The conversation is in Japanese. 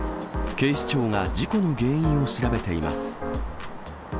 警視庁が事故の原因を調べています。